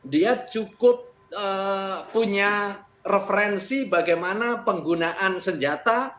dia cukup punya referensi bagaimana penggunaan senjata